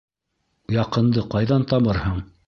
Яҡынды ҡайҙан табырһың?